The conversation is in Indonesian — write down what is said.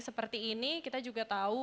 seperti ini kita juga tahu